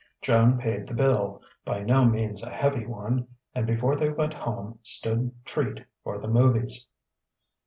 Joan paid the bill, by no means a heavy one, and before they went home stood treat for "the movies."